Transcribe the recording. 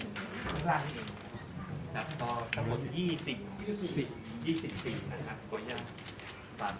ข้างล่างนี้เองจากต่อสมมุติยี่สิบสิบยี่สิบสิบนะครับ